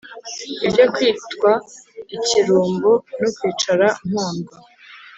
Ibyo kwitwa ikirumboNo kwicara mpondwa